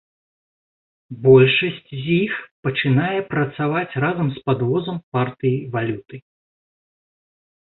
Большасць з іх пачынае працаваць разам з падвозам партыі валюты.